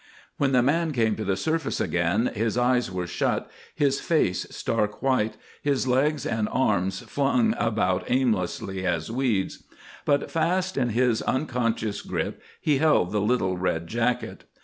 When the man came to the surface again his eyes were shut, his face stark white, his legs and arms flung about aimlessly as weeds; but fast in his unconscious grip he held the little red jacket.